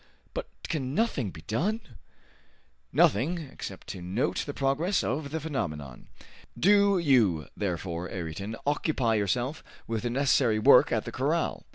"But can nothing be done?" "Nothing, except to note the progress of the phenomenon. Do you, therefore, Ayrton, occupy yourself with the necessary work at the corral.